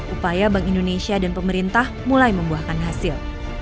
upaya bank indonesia dan pemerintah mulai membuahkan hasil